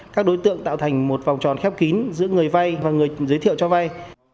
các đối tượng tạo thành một vòng tròn khép kín giữa người vai và người giới thiệu cho vai